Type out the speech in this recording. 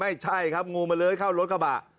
ไม่ใช่ครับงูมันเลื้อยเข้ารถกระบะ